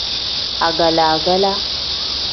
Agala-gala.